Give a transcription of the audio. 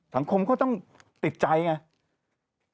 สังคมก็ต้องติดใจไง